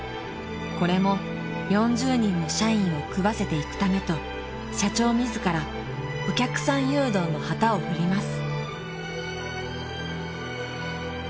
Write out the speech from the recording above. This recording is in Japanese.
［これも４０人の社員を食わせていくためと社長自らお客さん誘導の旗を振ります］